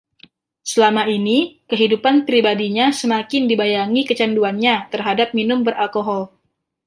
Selama ini, kehidupan pribadinya semakin dibayangi kecanduannya terhadap minum beralkohol.